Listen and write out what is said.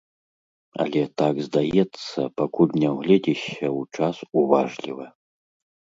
Але так здаецца, пакуль не ўгледзішся ў час уважліва.